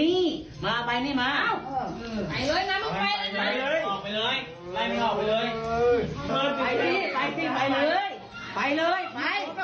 เออฮะมึงมากวันให้ดัง